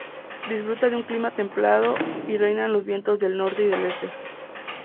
Disfruta de un clima templado, y reinan los vientos del Norte y del Este.